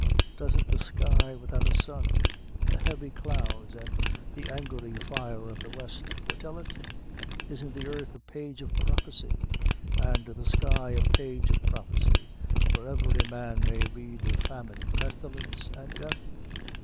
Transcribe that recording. Doesn't the sky without a sun, the heavy clouds, an' the angry fire of the West, foretel it? Isn't the airth a page of prophecy, an' the sky a page of prophecy, where every man may read of famine, pestilence, an' death?